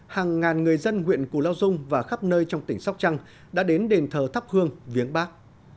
hàng ngàn người dân huyện cù lao dung và khắp nơi trong tỉnh sóc trăng đã đến đền thờ thắp hương viếng bắc